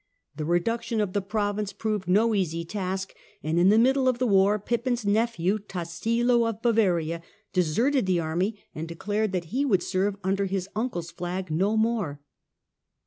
The reduction of the province proved no easy task, and in the middle of the war Pippin's nephew, Tassilo of Bavaria, deserted the army and declared that he would serve under his uncle's flag no more.